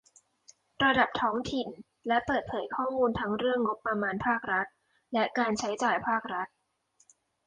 ระดับท้องถิ่น และเปิดเผยข้อมูลทั้งเรื่องงบประมาณภาครัฐ และ การใช้จ่ายภาครัฐ